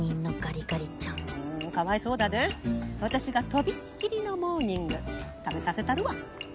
かわいそうだで私がとびっきりのモーニング食べさせたるわ。